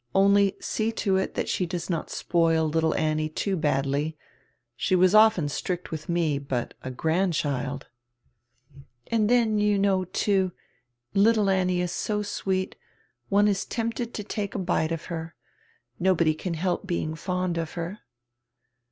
Only see to it that she does not spoil little Annie too hadly. She was often strict with nre, hut a grandchild —" "And then, too, you know, little Annie is so sweet, one is tenrpted to take a bite of her. Nobody can help being fond of her."